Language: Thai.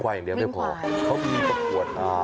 อย่างเดียวไม่พอเขามีประกวดอ่า